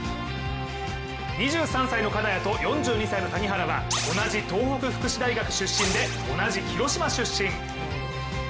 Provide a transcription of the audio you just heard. ２３歳の金谷と、４２歳の谷原は同じ東北福祉大学出身で同じ広島出身。